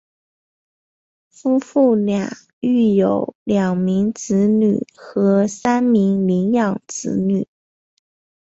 夫妇俩育有两名子女和三名领养子女。